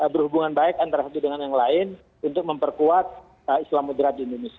berhubungan baik antara satu dengan yang lain untuk memperkuat islam moderat di indonesia